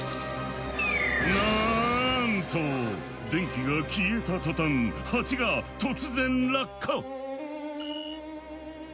なんと電気が消えた途端ハチが突然落下！